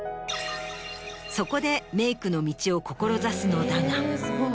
そこでメイクの道を志すのだが。